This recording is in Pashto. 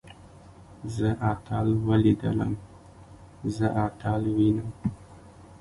زه اتل وليدلم. زه اتل وينم.